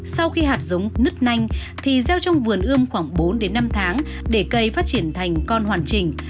sau khi hạt giống nứt nanh thì gieo trong vườn ươm khoảng bốn năm tháng để cây phát triển thành con hoàn chỉnh